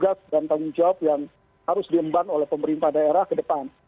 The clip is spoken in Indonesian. ini menjadi tugas dan tanggung jawab yang harus diembang oleh pemerintah daerah ke depan